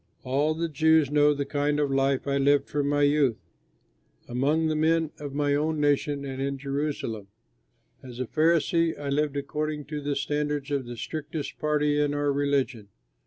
All the Jews know the kind of life I lived from my youth, among the men of my own nation and in Jerusalem. As a Pharisee I lived according to the standards of the strictest party in our religion.